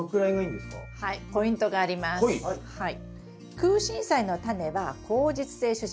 クウシンサイのタネは硬実性種子。